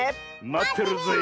まってるよ！